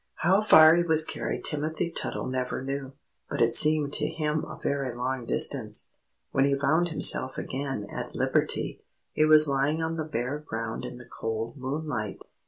How far he was carried Timothy Tuttle never knew, but it seemed to him a very long distance. When he found himself again at liberty, he was lying on the bare ground in the cold moonlight.